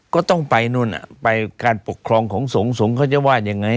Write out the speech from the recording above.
ก็ต้องไปนู่นไปการปกครองของสงฆ์สงฆ์เขาจะว่ายังไง